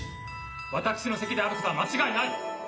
私の席であることは間違いない！